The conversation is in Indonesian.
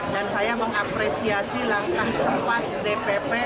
dan saya mengapresiasi langkah cepat dpp